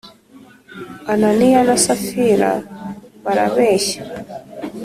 ananiya na safira barabeshya